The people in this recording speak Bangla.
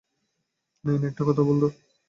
নায়না, একটা কথা বল তো।